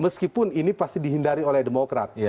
meskipun ini pasti dihindari oleh demokrat